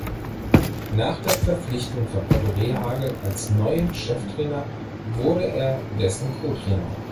Nach der Verpflichtung von Otto Rehhagel als neuen Chef-Trainer wurde er dessen Co-Trainer.